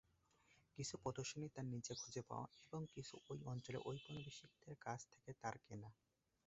কিছু প্রদর্শনী তার নিজে খুজে পাওয়া এবং কিছু তার অঞ্চলের ঔপনিবেশিকদের কাছ থেকে তার কেনা।